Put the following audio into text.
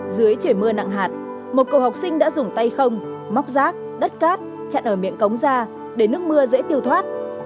dưới trời mưa nặng hạt một cậu học sinh đã dùng tay không móc rác đất cát chặn ở miệng cống ra để nước mưa dễ tiêu thoát